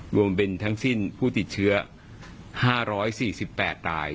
รวมเป็นทั้งสิ้นผู้ติดเชื้อ๕๔๘ราย